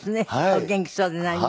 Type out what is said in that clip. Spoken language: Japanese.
お元気そうで何より。